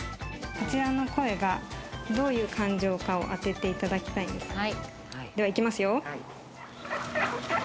こちらの声がどういう感情かを当てていただきたいんです。